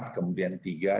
kemudian tiga dua satu